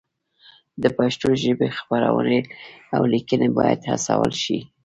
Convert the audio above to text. د پښتو ژبې خپرونې او لیکنې باید هڅول شي.